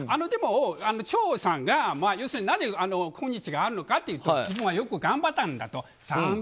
チョウさんが要するになぜ今日があるのかというとよく頑張ったんだと。